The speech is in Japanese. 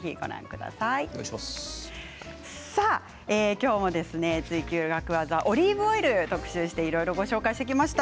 今日も「ツイＱ楽ワザ」オリーブオイル特集していろいろご紹介してきました。